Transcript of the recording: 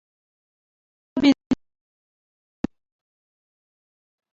Анцәа биныҳәааит, Шьарда!